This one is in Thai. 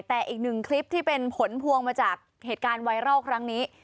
แต่อีกหนึ่งคลิปที่เป็นผลพวงมาจากเหตุการณ์ไวรัลครั้งนี้